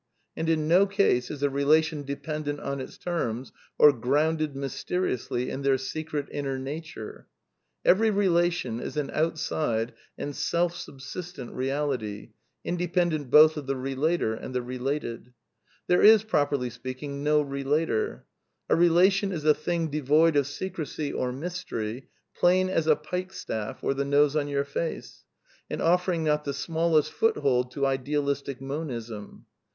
And in no case is a relation dependent on its terms, or grounded mysteriously in their secret inner nature. E very relatio n i s an outside and self subs istent realit^^Jp f^pppn A (^j]\^l^rvt^i^f)ijth^^ THiere is, properly speaking, no relater. A relation is"a thing devoid of secrecy or mystery, plain as a pike staff or the nose on your face, and offering not the smallest foothold to Ideal istic Monism.